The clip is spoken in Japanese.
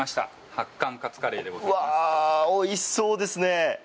おいしそうですね。